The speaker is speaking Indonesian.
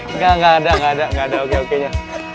enggak enggak ada oke oke nya